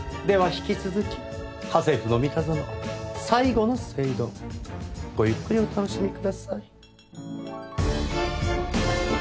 引き続き『家政夫のミタゾノ』最後の聖丼ごゆっくりお楽しみください。